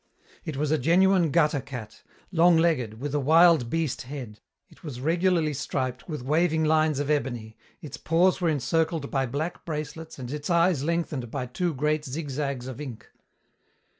It was a genuine gutter cat, long legged, with a wild beast head. It was regularly striped with waving lines of ebony, its paws were encircled by black bracelets and its eyes lengthened by two great zigzags of ink.